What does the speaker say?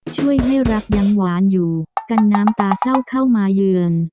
ช่วยให้รักยังหวานอยู่กันน้ำตาเศร้าเข้ามาเยือน